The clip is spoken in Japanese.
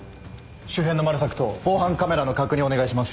周辺のマル索と防犯カメラの確認をお願いします。